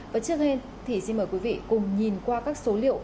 và trước hết thì xin mời quý vị cùng nhìn qua các số liệu